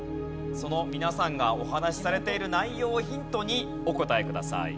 その皆さんがお話しされている内容をヒントにお答えください。